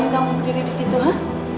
ngapain kamu berdiri disitu ha